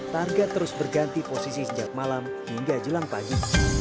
targa terus berganti posisi sejak malam hingga jelang pagi